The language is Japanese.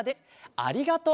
ありがとう。